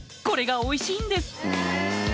これがおいしいんです！